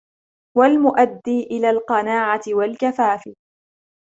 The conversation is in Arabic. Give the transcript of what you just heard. وَالْمُؤَدِّي إلَى الْقَنَاعَةِ وَالْكَفَافِ